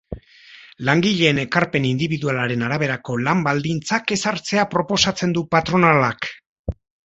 Langileen ekarpen indibidualaren araberako lan-baldintzak ezartzea proposatzen du patronalak.